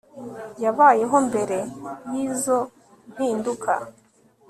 yabayeho mbere y'izo mpinduka